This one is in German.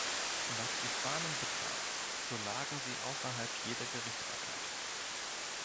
Was die Fahnen betraf, so lagen sie außerhalb jeder Gerichtsbarkeit.